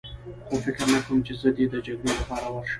خو فکر نه کوم چې زه دې د جګړې لپاره ورشم.